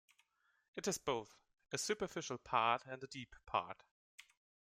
It has both a superficial part and a deep part.